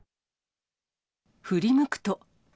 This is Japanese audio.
振りむくと。